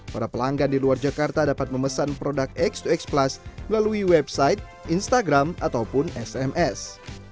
para pelanggan di luar jakarta dapat memesan produk x dua x plus melalui website instagram ataupun sms